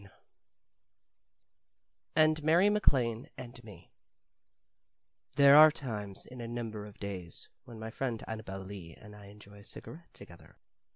XIV "AND MARY MACLANE AND ME" There are times in a number of days when my friend Annabel Lee and I enjoy a cigarette together.